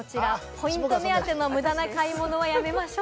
ポイント目当ての無駄な買い物はやめましょう。